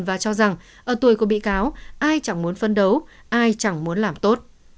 và cho rằng ở tuổi của bị cáo ai chẳng muốn phân đấu ai chẳng muốn làm tốt